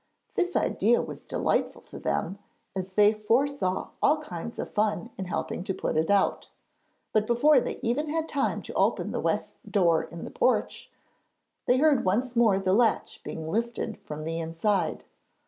This idea was delightful to them, as they foresaw all kinds of fun in helping to put it out. But before they even had time to open the west door in the porch, they heard once more the latch being lifted from the inside.